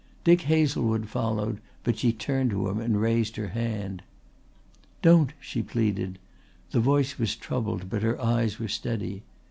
Dick Hazlewood followed but she turned to him and raised her hand. "Don't," she pleaded; the voice was troubled but her eyes were steady.